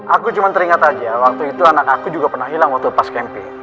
aku cuma teringat aja waktu itu anak aku juga pernah hilang waktu pas campaig